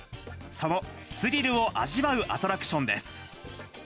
そのスリルを味わうアトラクションです。